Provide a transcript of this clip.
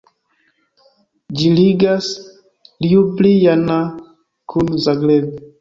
Ĝi ligas Ljubljana kun Zagreb.